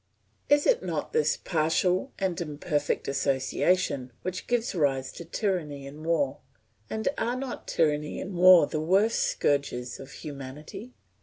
Is it not this partial and imperfect association which gives rise to tyranny and war? And are not tyranny and war the worst scourges of humanity?